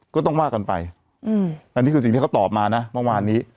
ก็ต้องว่ากันไปอันนี้คือสิ่งที่เขาตอบมานะเมื่อวานนี้